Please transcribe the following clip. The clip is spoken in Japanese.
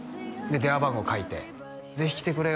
電話番号書いてぜひ来てくれよ